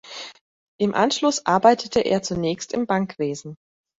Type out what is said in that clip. Im Anschluss arbeitete er zunächst im Bankwesen.